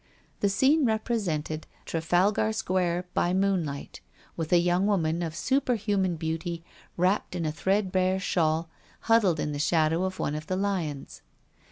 The scene represented Trafalgar Square by moonlight, with a young woman of superhuman beauty wrapped in a threadbare shawl, huddled in the shadow of one of the lions.